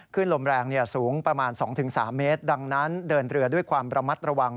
ขึ้นลมแรงสูงประมาณ๒๓เมตรดังนั้นเดินเรือด้วยความระมัดระวัง